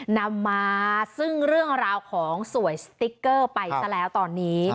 นำมาซึ่งเรื่องราวของสวยสติ๊กเกอร์ไปซะแล้วตอนนี้